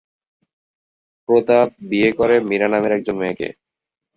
প্রতাপ বিয়ে করে মীরা নামের একজন মেয়েকে।